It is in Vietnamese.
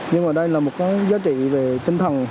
nhưng mà đây là một giá trị về trinh thần